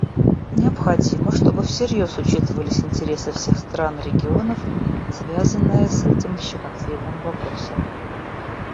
Необходимо, чтобы всерьез учитывались интересы всех стран и регионов, связанные с этим щекотливым вопросом.